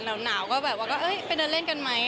แล้วหนาวก็แบบว่าเอ๊ะไปเดินเล่นกันไหม